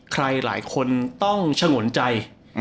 ใครหลายคนต้องฉงนใจ